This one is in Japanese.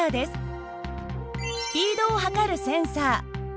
スピードを測るセンサー。